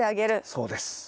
そうです。